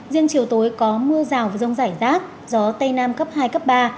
riêng chiều tối có mưa rào và rông rải rác gió tây nam cấp hai cấp ba